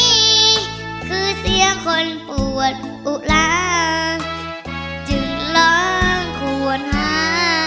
นี่คือเสียคนปวดอุลาจึงลองควรหา